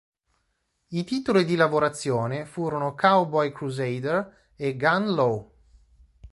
I titoli di lavorazione furono "Cowboy Crusader" e "Gun Law".